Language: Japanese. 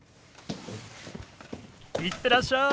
行ってらっしゃい。